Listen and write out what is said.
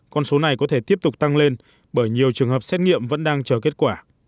con số này có thể tiếp tục tăng lên bởi nhiều trường hợp xét nghiệm vẫn đang chờ kết quả